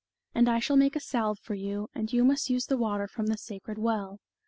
And I shall make a salve for you, and you must use the water from the sacred well.